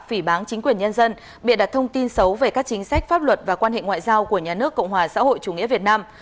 phỉ bán chính quyền nhân dân bịa đặt thông tin xấu về các chính sách pháp luật và quan hệ ngoại giao của nhà nước cộng hòa xã hội chủ nghĩa việt nam